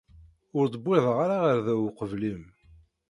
Ur d-wwiḍeɣ ara ɣer da uqbel-im.